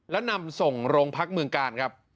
แล้วนำส่งโรงพักเมืองกาลครับ